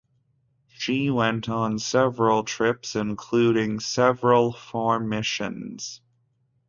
She went on trips including several for missions.